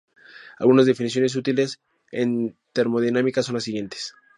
Algunas definiciones útiles en termodinámica son las siguientes.